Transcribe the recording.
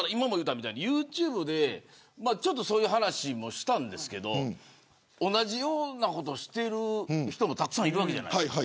ユーチューブでそういう話もしたんですけど同じようなことをしている人もたくさんいるわけじゃないですか。